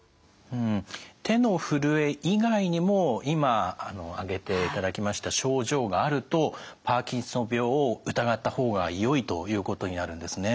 手のふるえ以外にも今挙げていただきました症状があるとパーキンソン病を疑った方がよいということになるんですね。